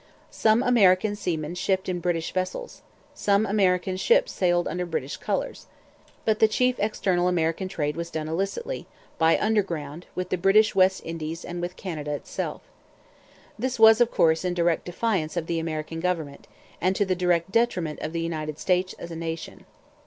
Some American seamen shipped in British vessels. Some American ships sailed under British colours. But the chief external American trade was done illicitly, by 'underground,' with the British West Indies and with Canada itself. This was, of course, in direct defiance of the American government, and to the direct detriment of the United States as a nation.